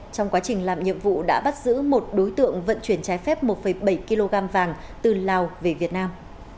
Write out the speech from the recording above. trong quá trình làm nhiệm vụ đã bắt giữ một đối tượng vận chuyển trái phép một bảy kg vàng từ lào về việt nam